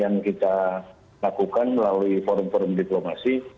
yang kita lakukan melalui forum forum diplomasi